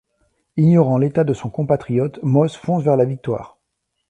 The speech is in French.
Ignorant l'état de son compatriote, Moss fonce vers la victoire.